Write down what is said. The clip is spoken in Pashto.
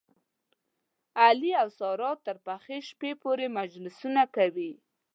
علي او ساره تر پخې شپې پورې مجلسونه کوي.